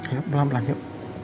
yuk pelan pelan yuk